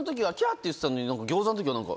て言ってたのに餃子の時は何か。